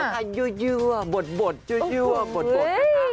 มันก็เยอะเยอะบดอยู่บดค่ะ